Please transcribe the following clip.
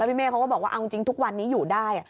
พี่เมฆเขาก็บอกว่าเอาจริงทุกวันนี้อยู่ได้